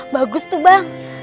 bagus tuh bang